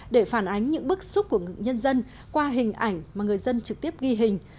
để phản ánh những bức xúc của nhân dân qua hình ảnh mà người dân trực tiếp ghi hình